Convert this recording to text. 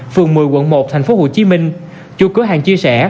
phường một mươi quận một thành phố hồ chí minh chủ cửa hàng chia sẻ